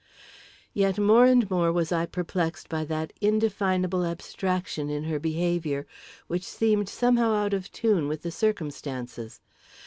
Yet more and more was I perplexed by that indefinable abstraction in her behaviour, which seemed somehow out of tune with the circumstances.